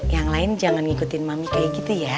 yang lain jangan ngikutin mami kayak gitu ya